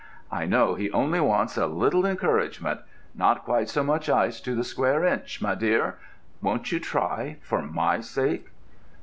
"I know he only wants a little encouragement—not quite so much ice to the square inch, my dear! Won't you try, for my sake?"